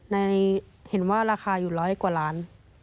เห็นว่าราคาอยู่ร้อยกว่าล้าน